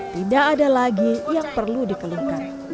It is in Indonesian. tidak ada lagi yang perlu dikeluhkan